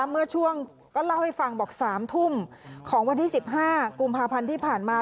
เมื่อช่วงก็เล่าให้ฟังบอก๓ทุ่มของวันที่๑๕กุมภาพันธ์ที่ผ่านมา